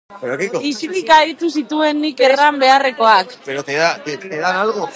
Isilik aditu zituen nik erran beharrekoak.